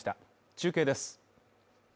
中継です。